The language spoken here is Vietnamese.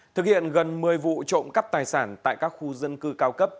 thực hiện gần một mươi vụ trộm cắp tài sản tại các khu dân cư cao cấp